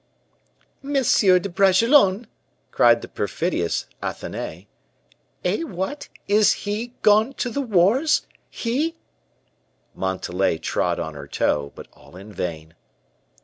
"M. de Bragelonne!" cried the perfidious Athenais. "Eh, what! is he gone to the wars? he!" Montalais trod on her toe, but all in vain.